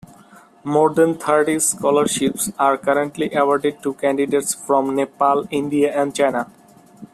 More than thirty scholarships are currently awarded to candidates from Nepal, India and China.